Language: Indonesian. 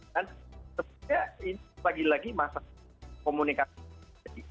dan setelah ini lagi lagi masalah komunikasi